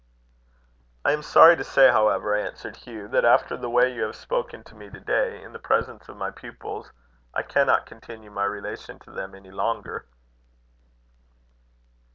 "I am sorry to say, however," answered Hugh, "that after the way you have spoken to me to day, in the presence of my pupils, I cannot continue my relation to them any longer."